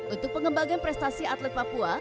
untuk pengembangan prestasi atlet papua